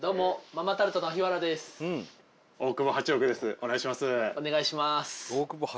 お願いします。